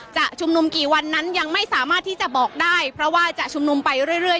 จะชุมนุมกี่วันนั้นยังไม่สามารถที่จะบอกได้เพราะว่าจะชุมนุมไปเรื่อย